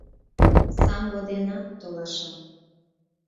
Самбо денат толаша.